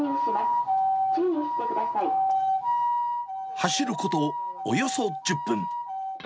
走ることおよそ１０分。